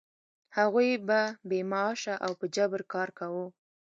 هغوی به بې معاشه او په جبر کار کاوه.